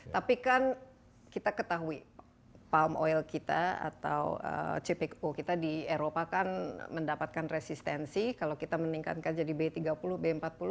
tapi kan kita ketahui palm oil kita atau cpo kita di eropa kan mendapatkan resistensi kalau kita meningkatkan jadi b tiga puluh b empat puluh